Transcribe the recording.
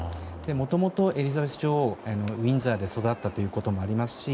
もともと、エリザベス女王はウィンザーで育ったということもありますし